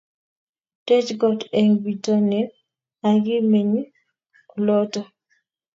Tech kot eng bitonin akimeny oloto